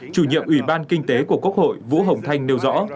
chủ nhiệm ủy ban kinh tế của quốc hội vũ hồng thanh nêu rõ